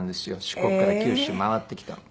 四国から九州回ってきたの。